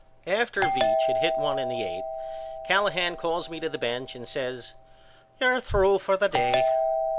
After Veach had hit one in the eight Callahan calls me to the bench and says You're through for the day.